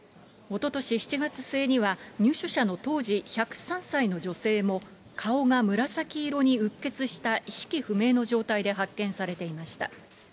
おととし７月末には、入所者の当時１０３歳の女性も顔が紫色にうっ血した意識不明の状態で発見されていました。